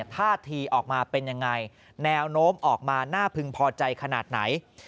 ท่าทีออกมาเป็นยังไงแนวโน้มออกมาน่าพึงพอใจขนาดไหน